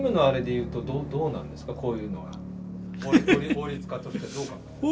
法律家としてどう考えますか？